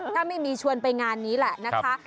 ถ้าไม่มีชวนไปงานนี้แหละนะคะ